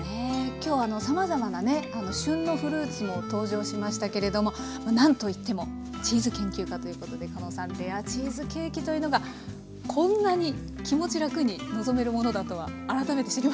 今日さまざまなね旬のフルーツも登場しましたけれどもなんといってもチーズ研究家ということでかのうさんレアチーズケーキというのがこんなに気持ち楽に臨めるものだとは改めて知りました。